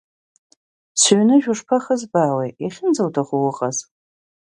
Сыҩныжә ушԥахызбаауеи, иахьынӡауҭаху уҟаз!